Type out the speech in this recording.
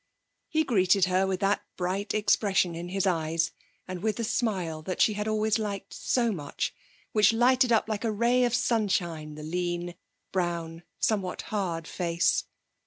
He greeted her with that bright expression in his eyes and with the smile that she had always liked so much, which lighted up like a ray of sunshine the lean, brown, somewhat hard, face.